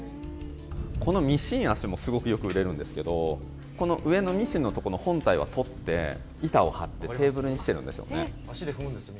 このミシン脚もすごくよく売れるんですけれども、この上のミシンの所の本体は取って、板を張って、テーブルにしてるんですよね。